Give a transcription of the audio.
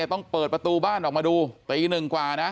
ต้องเปิดประตูบ้านออกมาดูตีหนึ่งกว่านะ